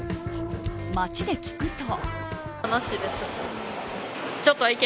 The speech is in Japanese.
街で聞くと。